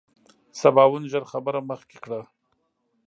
سباوون ژر خبره مخکې کړه.